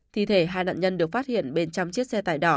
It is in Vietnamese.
thi thể hai nạn nhân được phát hiện bên trong chiếc xe tải đỏ